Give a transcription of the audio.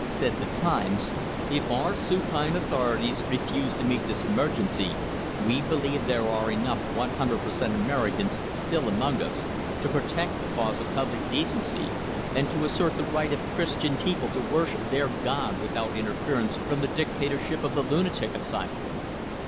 Said the "Times": "If our supine authorities refuse to meet this emergency, we believe there are enough 100% Americans still among us to protect the cause of public decency, and to assert the right of Christian people to worship their God without interference from the Dictatorship of the Lunatic Asylum."